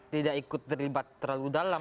tidak ikut terlibat terlalu